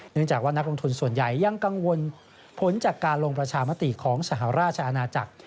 เนื่องจากว่านักลงทุนส่วนใหญ่ยังกังวลผลจากการลงประชามติของสหราชอาณาจักร